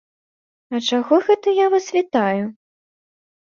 А чаго гэта я вас вітаю?